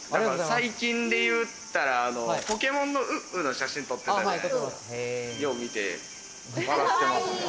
最近で言ったら、ポケモンのウッウの写真撮ってたじゃないですか。